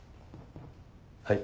はい。